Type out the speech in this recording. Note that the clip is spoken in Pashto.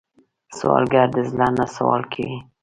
سوالګر د زړه نه سوال کوي